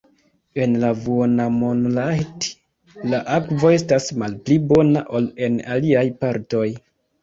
En la Vuonamonlahti la akvo estas malpli bona ol en aliaj partoj.